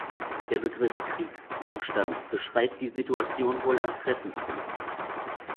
Der Begriff Kriegszustand beschreibt die Situation wohl am treffendsten.